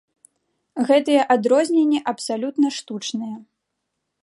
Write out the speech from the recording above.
Гэтыя адрозненні абсалютна штучныя.